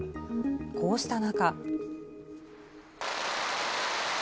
こうした中。